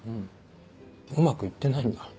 うまくいってないんだ？